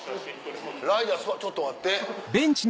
ライダーちょっと待って。